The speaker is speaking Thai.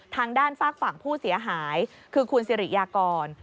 ทางด้านฝากฝั่งผู้เสียหายคือคุณสิริยากร